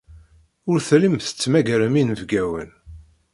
Ur tellim tettmagarem inebgawen.